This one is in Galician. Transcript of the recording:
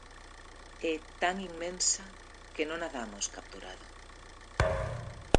É tan inmensa que non a damos capturado.